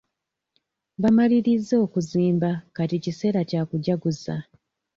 Bamalirizza okuzimba Kati kiseera kya kujaguza.